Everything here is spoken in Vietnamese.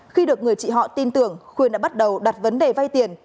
khi được người chị họ tin tưởng khuyên đã bắt đầu đặt vấn đề vay tiền